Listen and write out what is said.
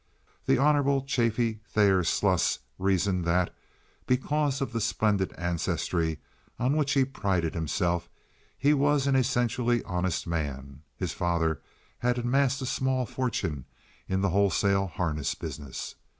The Hon. Chaffee Thayer Sluss reasoned that, because of the splendid ancestry on which he prided himself, he was an essentially honest man. His father had amassed a small fortune in the wholesale harness business.